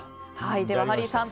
ではハリーさん